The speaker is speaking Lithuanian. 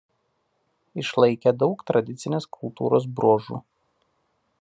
Išlaikę daug tradicinės kultūros bruožų.